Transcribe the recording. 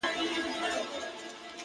ستا غمونه ستا دردونه زما بدن خوري ،